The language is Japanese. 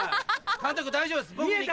監督大丈夫です僕に。